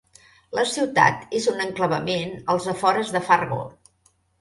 La ciutat és un enclavament als afores de Fargo.